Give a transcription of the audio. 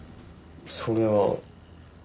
それは。